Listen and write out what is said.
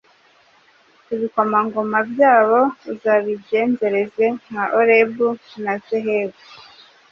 Ibikomangoma byabo uzabigenzereze nka Orebu na Zehebu